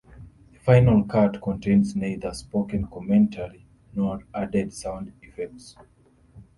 The final cut contains neither spoken commentary nor added sound effects.